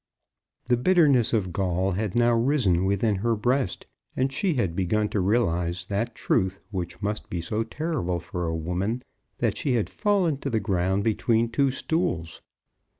The bitterness of gall had now risen within her breast, and she had begun to realize that truth which must be so terrible for a woman, that she had fallen to the ground between two stools.